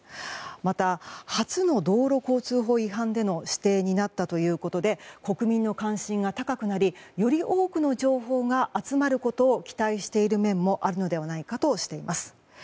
また、初の道路交通法違反での指定になったということで国民の関心が高くなりより多くの情報が集まることを期待している面もあるのではないかとしています。